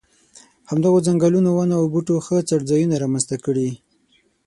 همدغو ځنګلونو ونو او بوټو ښه څړځایونه را منځته کړي.